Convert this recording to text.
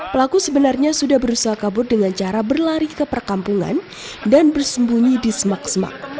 pelaku sebenarnya sudah berusaha kabur dengan cara berlari ke perkampungan dan bersembunyi di semak semak